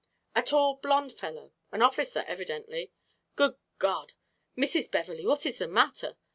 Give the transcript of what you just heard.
"A tall, blonde fellow an officer evidently. Good God! Mrs. Beverley, what is the matter?"